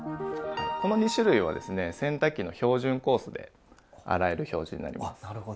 この２種類はですね洗濯機の標準コースで洗える表示になります。